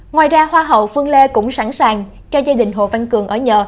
ngoài ra hoa hậu phương lê cũng sẵn sàng cho gia đình hồ văn cường ở nhờ